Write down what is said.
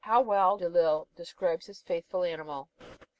How well Delille describes this faithful animal!